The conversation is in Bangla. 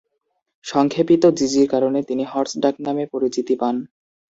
সংক্ষেপিত জিজি’র কারণে তিনি ‘হর্স’ ডাকনামে পরিচিতি পান।